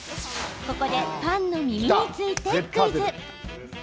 ここで、パンの耳についてクイズ。